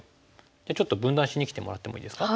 じゃあちょっと分断しにきてもらってもいいですか。